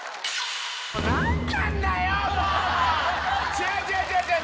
違う違う違う違う！